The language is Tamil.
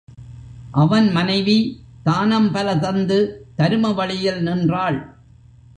அவன் மனைவி தானம் பல தந்து தரும வழியில் நின்றாள்.